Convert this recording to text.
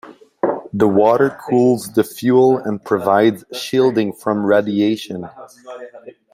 The water cools the fuel and provides shielding from radiation.